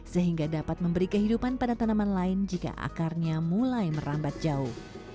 sehingga dapat memberi kehidupan pada tanaman lain jika akarnya mulai merambat jauh